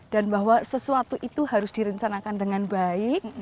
dan bahwa sesuatu itu harus direncanakan dengan baik